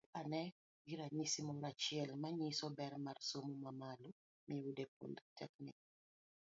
Wabed ane gi ranyisi moro achiel manyiso ber mar somo mamalo miyudo e politeknik.